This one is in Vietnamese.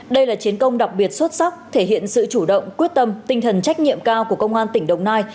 đây là chiến công đặc biệt xuất sắc thể hiện sự chủ động quyết tâm tinh thần trách nhiệm cao của công an tỉnh đồng nai